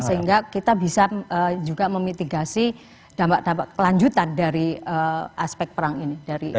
sehingga kita bisa juga memitigasi dampak dampak kelanjutan dari aspek perang ini